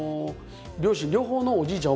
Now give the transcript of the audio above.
両親両方のおじいちゃん